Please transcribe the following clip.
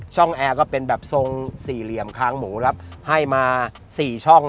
ช่องแอร์เป็นแบบทรงสี่เหลี่ยมค้างหมูให้มา๔ช่อง